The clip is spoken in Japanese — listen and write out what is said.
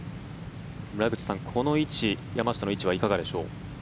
村口さん、この山下の位置はいかがでしょう。